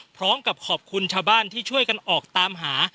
พร้อมกับขอบคุณชาวบ้านที่ช่วยกันออกตามหา